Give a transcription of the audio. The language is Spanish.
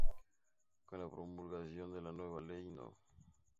Con la promulgación de la Ley No.